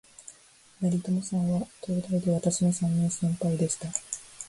成友さんは、東大で私の三年先輩でした